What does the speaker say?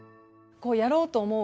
こうやろうと思う